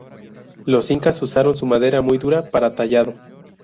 Los Incas usaron su madera, muy dura, para tallado.